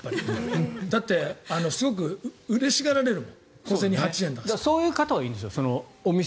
だってすごくうれしがられるもんそういう方はいいですよ